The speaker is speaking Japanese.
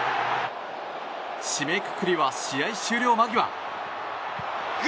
締めくくりは試合終了間際。